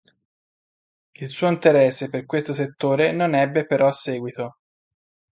Il suo interesse per questo settore non ebbe però seguito.